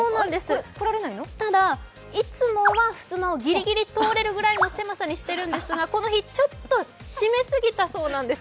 ただ、いつもはふすまをぎりぎり通れるぐらちいの狭さにしているんですがこの日、ちょっと閉めすぎたそうなんです。